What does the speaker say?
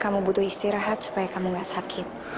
kamu butuh istirahat supaya kamu gak sakit